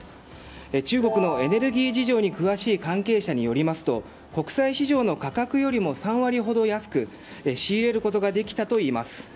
中国のエネルギー事情に詳しい関係者によりますと国際市場の価格よりも３割ほど安く仕入れることができたといいます。